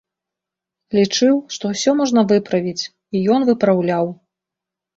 Лічыў, што ўсё можна выправіць, і ён выпраўляў.